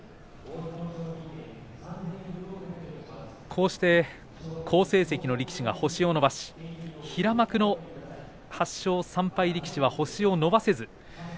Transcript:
こうして好成績の力士が星を伸ばした平幕の８勝３敗力士は星を伸ばせず。